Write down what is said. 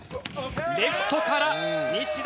レフトから西田。